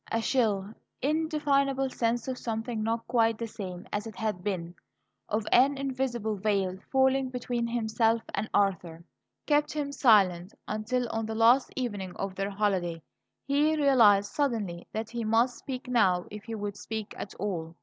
A chill, indefinable sense of something not quite the same as it had been, of an invisible veil falling between himself and Arthur, kept him silent, until, on the last evening of their holiday, he realized suddenly that he must speak now if he would speak at all.